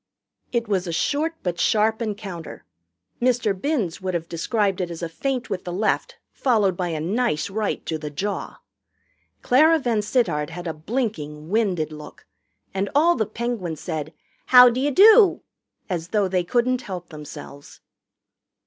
It was a short but sharp encounter Mr. Binns would have described it as a feint with the left followed by a nice right to the jaw. Clara VanSittart had a blinking, winded look, and all the Penguins said, "How d'you do?" as though they couldn't help themselves.